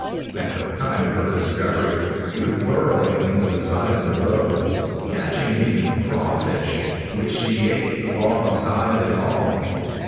At the time of her discovery she was burrowing into the side of the road, catching and eating crawfish, which she ate claws, hide and all.